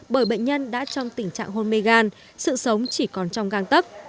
bởi bệnh nhân đã trong tình trạng hôn mê gan sự sống chỉ còn trong găng tấp